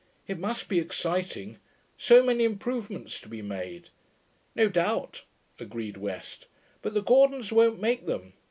'It must be exciting: so many improvements to be made.' 'No doubt,' agreed West. 'But the Gordons won't make them.